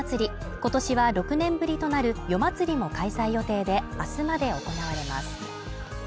今年は６年ぶりとなる夜祭も開催予定で、明日まで行われます。